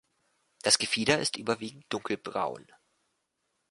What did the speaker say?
Das Gefieder ist überwiegend dunkelbraun.